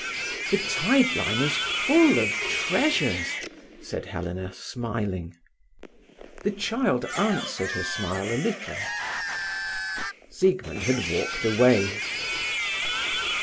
"The tide line is full of treasures," said Helena, smiling. The child answered her smile a little. Siegmund had walked away.